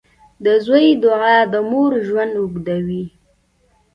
• د زوی دعا د مور ژوند اوږدوي.